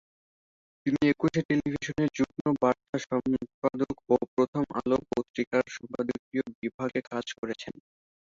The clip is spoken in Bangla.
তিনি একুশে টেলিভিশনের যুগ্ম বার্তা সম্পাদক ও প্রথম আলো পত্রিকার সম্পাদকীয় বিভাগে কাজ করেছেন।